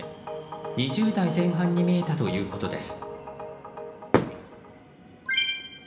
２０代前半に見えたということです。